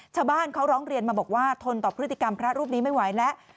ชาวบ้านเขาร้องเรียนมาบอกว่าทนต่อพฤติกรรมพระรูปนี้ไม่ไหวแล้ว